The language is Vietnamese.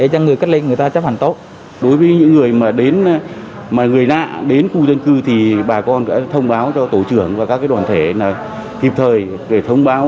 còn thông báo cho tổ trưởng và các đoàn thể kịp thời để thông báo